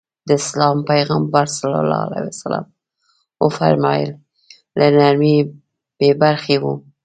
د اسلام پيغمبر ص وفرمايل له نرمي بې برخې وي.